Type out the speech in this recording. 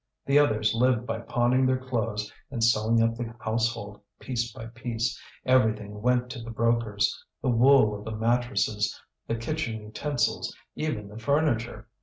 The others lived by pawning their clothes and selling up the household piece by piece. Everything went to the brokers, the wool of the mattresses, the kitchen utensils, even the furniture.